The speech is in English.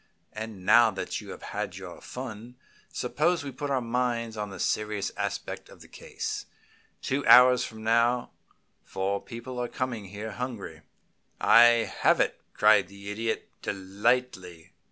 "And now that you have had your fun, suppose we put our minds on the serious aspect of the case. Two hours from now four people are coming here hungry " "I have it!" cried the Idiot, delightedly.